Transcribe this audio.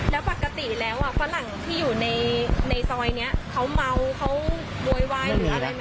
แล้วปกติแล้วฝรั่งที่อยู่ในซอยนี้เขาเมาเขาโวยวายหรืออะไรไหม